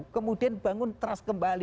kemudian bangun trust kembali